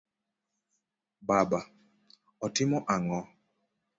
Baba:otimo ang'o?